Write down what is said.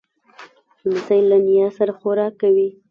لمسی له نیا سره خوراک کوي.